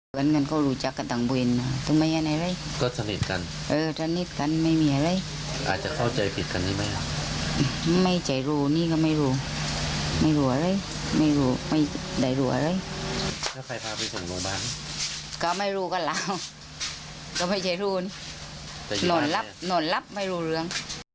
ก็ไม่รู้กันแล้วก็ไม่ใช่ทูลหน่วนรับหน่วนรับไม่รู้เรื่อง